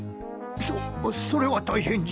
そそれは大変じゃ。